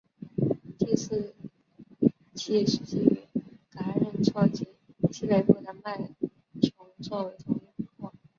第四纪时期与嘎仁错及西北部的麦穷错为同一湖泊。